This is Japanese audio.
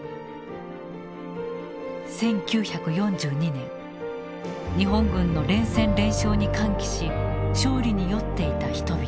１９４２年日本軍の連戦連勝に歓喜し勝利に酔っていた人々。